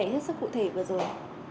rất sức cụ thể vừa rồi